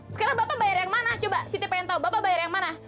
sekarang bapak bayar yang mana coba siti pengen tahu bapak bayar yang mana